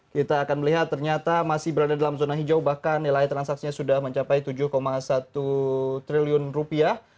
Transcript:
kita akan melihat ternyata masih berada dalam zona hijau bahkan nilai transaksinya sudah mencapai tujuh satu triliun rupiah